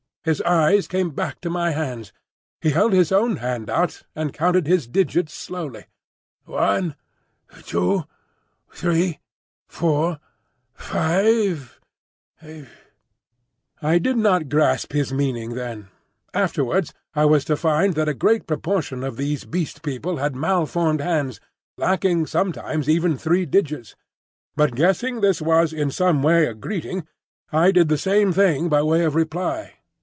His eyes came back to my hands. He held his own hand out and counted his digits slowly, "One, two, three, four, five—eigh?" I did not grasp his meaning then; afterwards I was to find that a great proportion of these Beast People had malformed hands, lacking sometimes even three digits. But guessing this was in some way a greeting, I did the same thing by way of reply.